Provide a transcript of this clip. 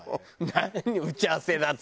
何が打ち合わせだよ。